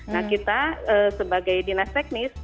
nah kita sebagai dinas teknis